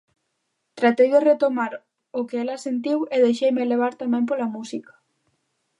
Tratei de retomar o que ela sentiu e deixeime levar tamén pola música.